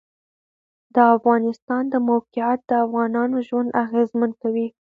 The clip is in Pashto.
د افغانستان د موقعیت د افغانانو ژوند اغېزمن کوي.